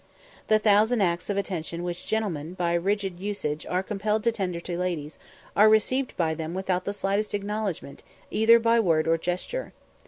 The thousand acts of attention which gentlemen, by rigid usage, are compelled to tender to ladies, are received by them without the slightest acknowledgment, either by word or gesture.